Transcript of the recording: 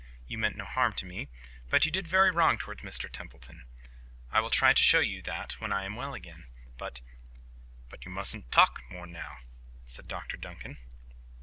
You meant no harm to me. But you did very wrong towards Mr Templeton. I will try to show you that when I am well again; but—" "But you mustn't talk more now," said Dr Duncan.